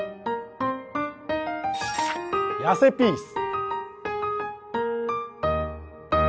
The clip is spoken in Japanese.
痩せピース！